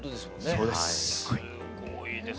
そうです。